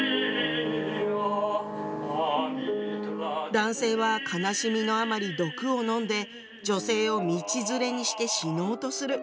男性は悲しみのあまり毒を飲んで女性を道連れにして死のうとする。